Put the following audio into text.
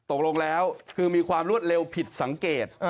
ตกลงแล้วคือมีความรวดเร็วผิดสังเกต